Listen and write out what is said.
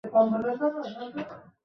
আর আশা কোরো না।